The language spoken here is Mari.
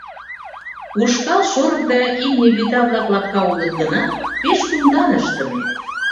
Ушкал, шорык да имне вӱта-влак лапка улыт гынат, пеш кумдан ыштыме.